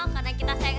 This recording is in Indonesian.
terus ada billirjian